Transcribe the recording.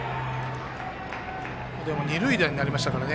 でも二塁打になりましたから。